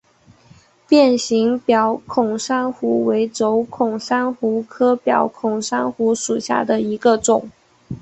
变形表孔珊瑚为轴孔珊瑚科表孔珊瑚属下的一个种。